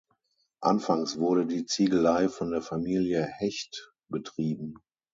Anfangs wurde die Ziegelei von der Familie Hecht betrieben.